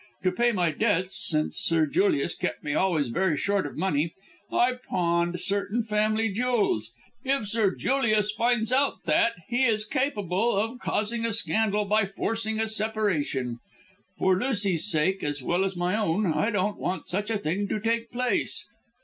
To pay my debts, since Sir Julius kept me always very short of money, I pawned certain family jewels. If Sir Julius finds that out he is capable of causing a scandal by forcing a separation. For Lucy's sake, as well as for my own, I don't want such a thing to take place."